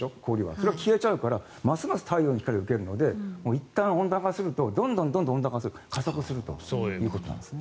それが消えちゃうからますます太陽の光を受けるのでいったん温暖化するとどんどん温暖化が加速すると。